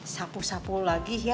sapu sapu lagi ya